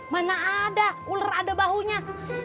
mana ada ular ada bahunya